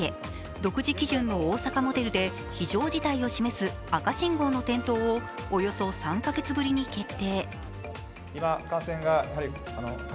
独自基準の大阪モデルで非常事態を示す赤信号の点灯をおよそ３カ月ぶりに決定。